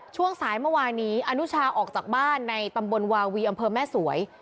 ช่วงสายเมื่อวานนี้อนุชาออกจากบ้านในตำบลวาวีอำเภอแม่สวย